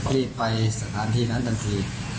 รีบไปสถานที่นั้นทันที